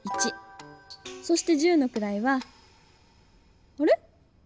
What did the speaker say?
そして十のくらいはあれ？